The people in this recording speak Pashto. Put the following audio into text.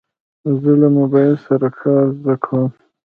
زه له موبایل سره کار زده کوم.